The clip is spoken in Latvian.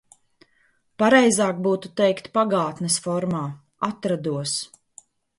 Pareizāk būtu teikt pagātnes formā – atrados.